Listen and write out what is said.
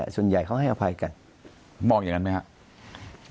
ส่วนใหญ่เขาให้อภัยกันมองอย่างนั้นไหมครับ